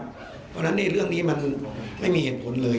เพราะฉะนั้นเรื่องนี้มันไม่มีเหตุผลเลย